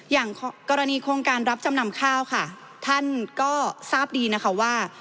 อย่างกรณีโครงการรับจำนำข้าวค่ะท่านก็ทราบดีนะคะว่า